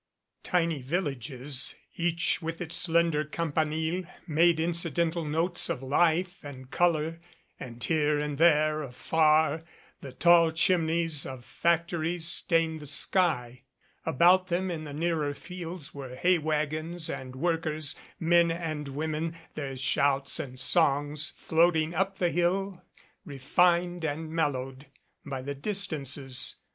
Tiny villages, each with its slender campanile, made incidental notes of life and color and here and there, afar, the tall chimneys of factories stained the sky. About them in the nearer fields were hay wagons and workers, men and women, their shouts and songs floating up the hill refined and mellowed by the distances.